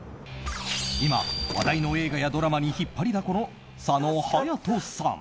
今、話題の映画やドラマに引っ張りだこの佐野勇斗さん。